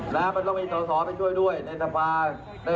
และมันต้องมีตัวสอบให้ด้วยด้วยในตำรวจ